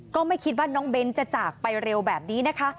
ก็ไม่คิดว่าน้องเบ้นจะจากไปเร็วแบบนี้นะคะ